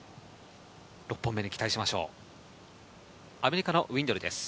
６本目に期待しましょう。